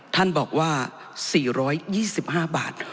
ท่านบอกว่า๔๒๕บาท